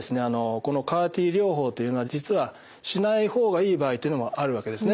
このＣＡＲ−Ｔ療法というのは実はしない方がいい場合というのもあるわけですね